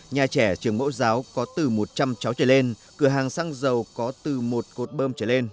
nhà trẻ trường mẫu giáo có từ một trăm linh cháu trở lên cửa hàng xăng dầu có từ một cột bơm trở lên